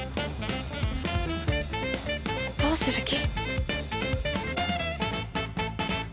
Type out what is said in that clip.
どうする気？